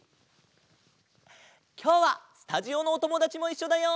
きょうはスタジオのおともだちもいっしょだよ！